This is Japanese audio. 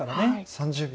３０秒。